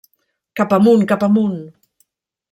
Cap amunt, cap amunt!